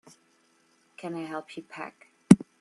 Can I help you pack?